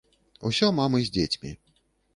Усё мамы з дзецьмі.